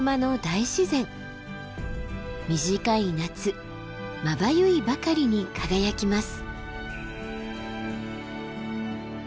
短い夏まばゆいばかりに輝きます。